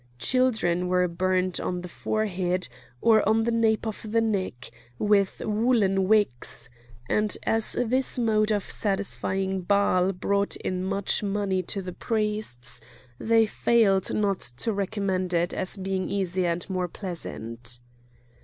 Children were burned on the forehead, or on the nape of the neck, with woollen wicks; and as this mode of satisfying Baal brought in much money to the priests, they failed not to recommend it as being easier and more pleasant.